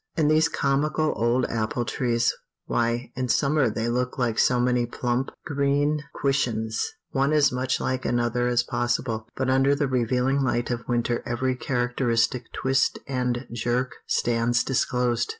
And these comical old apple trees, why, in summer they look like so many plump, green cushions, one as much like another as possible; but under the revealing light of winter every characteristic twist and jerk stands disclosed.